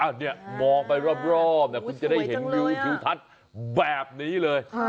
อันนี้มองไปรอบคุณจะได้เห็นวิวทิวทัศน์แบบนี้เลย